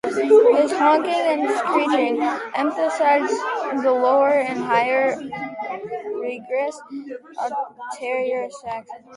His honking and screeching emphasized the lower and higher registers of the tenor saxophone.